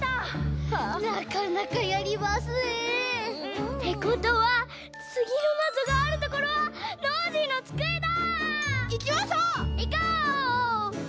なかなかやりますね。ってことはつぎのなぞがあるところはノージーのつくえだ！いきましょう！いこう！